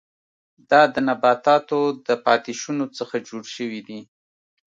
دا د نباتاتو د پاتې شونو څخه جوړ شوي دي.